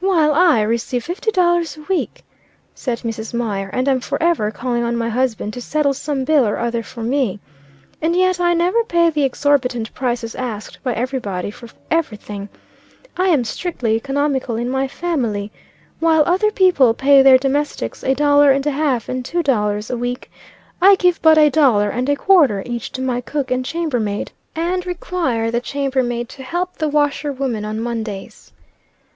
"While I receive fifty dollars a week," said Mrs. Mier, "and am forever calling on my husband to settle some bill or other for me. And yet I never pay the exorbitant prices asked by everybody for every thing. I am strictly economical in my family. While other people pay their domestics a dollar and a half and two dollars a week, I give but a dollar and a quarter each to my cook and chambermaid, and require the chamber maid to help the washer woman on Mondays.